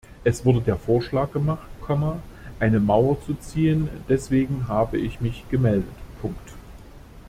Es wurde der Vorschlag gemacht, eine Mauer zu ziehen deswegen habe ich mich gemeldet.